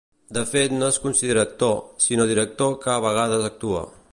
De fet no es considera actor, sinó director que a vegades actua.